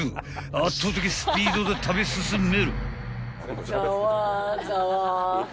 ［圧倒的スピードで食べ進める］